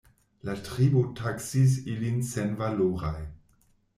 La tribo taksis ilin senvaloraj.